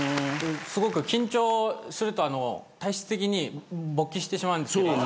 すごく緊張すると体質的に勃起してしまうんですけど。